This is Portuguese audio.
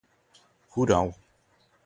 rural